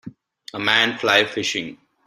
A man fly fishing.